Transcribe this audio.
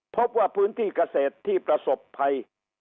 พบว่าพื้นที่เกษตรที่ประสบภัย